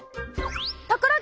ところが！